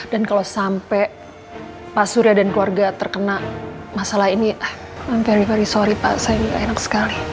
dan kalau sampai pak surya dan keluarga terkena masalah ini i'm very very sorry pak saya gak enak sekali